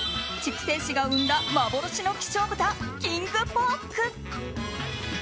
筑西市が生んだ幻の希少豚キングポーク。